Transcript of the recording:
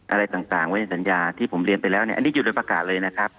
อะไรต่างไว้ในสัญญาที่ผมเรียนไปแล้วเนี่ยอันนี้หยุดโดยประกาศเลยนะครับ